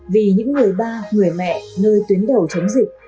vì những người ba người mẹ nơi tuyến đầu chống dịch